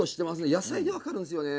野菜でわかるんですよね。